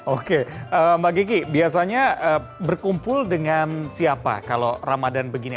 oke mbak gigi biasanya berkumpul dengan siapa kalau ramadan begini